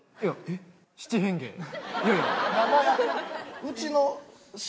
いや。